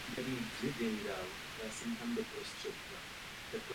Podle tradice se na ostrově měl nacházet i další kostel.